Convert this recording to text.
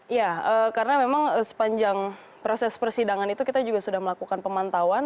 ya karena memang sepanjang proses persidangan itu kita juga sudah melakukan pemantauan